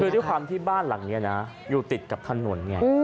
คือด้วยความที่บ้านหลังนี้นะอยู่ติดกับถนนไง